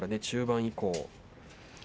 中盤以降。